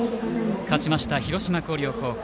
勝ちました、広島・広陵高校。